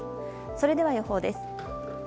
それでは予報です。